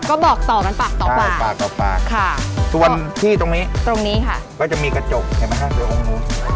ก็บอกต่อมันปากต่อปากค่ะส่วนที่ตรงนี้ก็จะมีกระจกเห็นไหมค่ะเดี๋ยวองค์นู้น